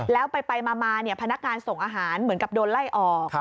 แล้วไปมาพนักงานส่งอาหารเหมือนกับโดนไล่ออก